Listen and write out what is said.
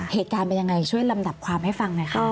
เหตุการณ์เป็นยังไงช่วยลำดับความให้ฟังหน่อยค่ะ